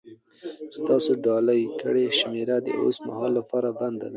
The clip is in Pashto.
ستاسو ډائل کړې شمېره د اوس مهال لپاره بنده ده